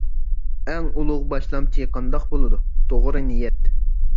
ئەڭ ئۇلۇغ باشلامچى قانداق بولىدۇ؟ توغرا نىيەت.